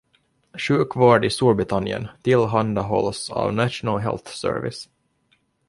Sjukvård i Storbritannien tillhandahålls av National Health Service